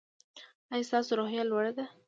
ایا ستاسو روحیه لوړه ده؟